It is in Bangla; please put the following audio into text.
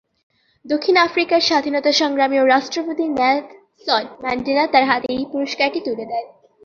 দক্ষিণ আফ্রিকার স্বাধীনতা সংগ্রামী ও রাষ্ট্রপতি নেলসন ম্যান্ডেলা তার হাতে এই পুরস্কারটি তুলে দেন।